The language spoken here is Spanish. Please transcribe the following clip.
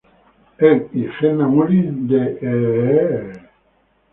Él y Jenna Mullins de "E!